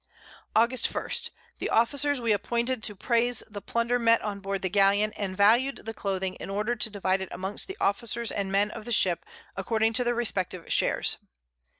August 1. The Officers we appointed to praise the Plunder met on board the Galeon, and valued the Cloathing, in order to divide it amongst the Officers and Men of each Ship, according to their respective Shares.